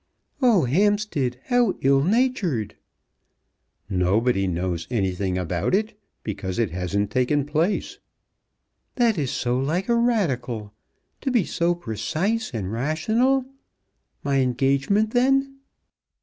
"Oh, Hampstead; how ill natured!" "Nobody knows anything about it, because it hasn't taken place." "That is so like a Radical, to be so precise and rational. My engagement then?"